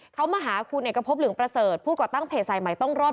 เขามาหาคุณเอกพบเหลืองประเสริฐผู้ก่อตั้งเพจสายใหม่ต้องรอด